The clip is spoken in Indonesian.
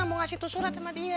mau ngasih itu surat sama dia